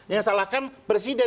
yang salahkan presiden